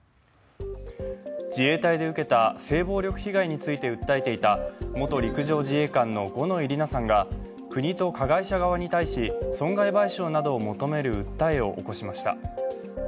自衛隊で受けた性暴力被害について訴えていた元陸上自衛官の五ノ井里奈さんが国と加害者側に対し損害賠償などを求める訴えを起こしました。